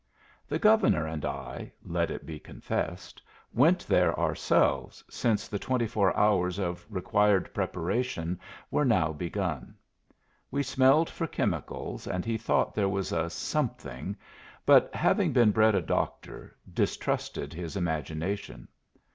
The Governor and I (let it be confessed) went there ourselves, since the twenty four hours of required preparation were now begun. We smelled for chemicals, and he thought there was a something, but having been bred a doctor, distrusted his imagination.